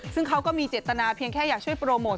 ซึ่งเขาก็มีเจตนาเพียงแค่อยากช่วยโปรโมท